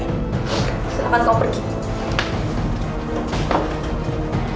silahkan kau pergi